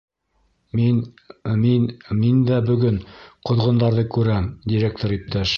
— Мин... мин... мин дә бөгөн ҡоҙғондарҙы күрәм, директор иптәш.